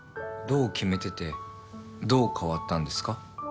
どう決めててどう変わったんですか？